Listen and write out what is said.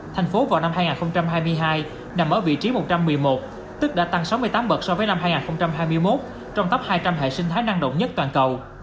thành phố vào năm hai nghìn hai mươi hai nằm ở vị trí một trăm một mươi một tức đã tăng sáu mươi tám bậc so với năm hai nghìn hai mươi một trong top hai trăm linh hệ sinh thái năng động nhất toàn cầu